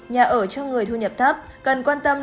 nhà ở cho người thu nhập thấp cần quan tâm